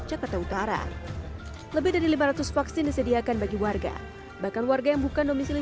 jakarta utara lebih dari lima ratus vaksin disediakan bagi warga bahkan warga yang bukan domisili